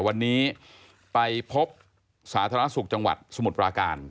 วันนี้ไปพบสาธารณสุขจังหวัดสมุทรปราการ